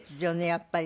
やっぱり。